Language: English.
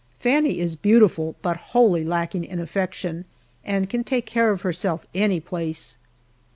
Fannie is beautiful, but wholly lacking in affection, and can take care of herself any place.